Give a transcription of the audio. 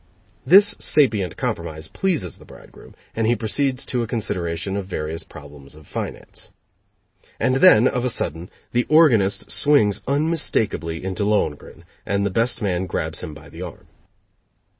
This sapient compromise pleases the bridegroom, and he proceeds to a consideration of various problems of finance. And then, of a sudden, the organist swings unmistakably into "Lohengrin" and the best man grabs him by the arm.